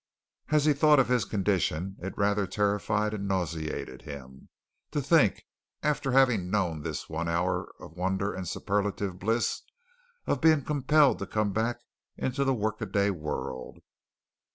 As he thought of his condition, it rather terrified and nauseated him. To think, after having known this one hour of wonder and superlative bliss, of being compelled to come back into the work a day world!